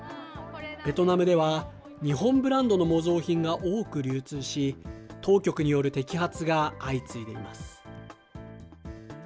ベトナムでは、日本ブランドの模造品が多く流通し、当局による摘発が相次いでいます。